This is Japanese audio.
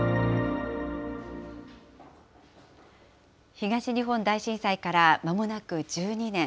東日本大震災から、まもなく１２年。